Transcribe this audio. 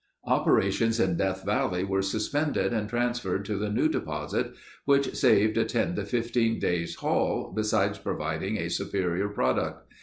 Operations in Death Valley were suspended and transferred to the new deposit, which saved a ten to fifteen days' haul besides providing a superior product.